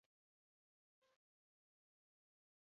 Non kobratzen dira loteriako sariak?